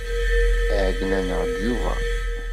Iɛeyyen-aneɣ-d Yuba.